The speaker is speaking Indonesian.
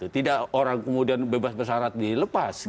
tidak orang kemudian bebas bersarat dilepas